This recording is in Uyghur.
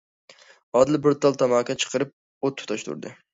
ئادىل بىر تال تاماكا چىقىرىپ ئوت تۇتاشتۇردى.